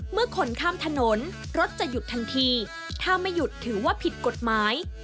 คนข้ามถนนรถจะหยุดทันทีถ้าไม่หยุดถือว่าผิดกฎหมาย